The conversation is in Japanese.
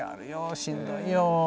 しんどいよー。